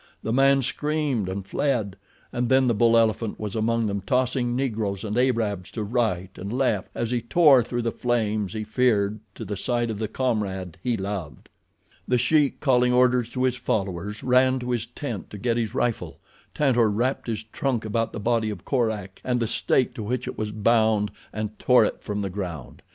The man screamed and fled, and then the bull elephant was among them tossing Negroes and Arabs to right and left as he tore through the flames he feared to the side of the comrade he loved. The Sheik, calling orders to his followers, ran to his tent to get his rifle. Tantor wrapped his trunk about the body of Korak and the stake to which it was bound, and tore it from the ground.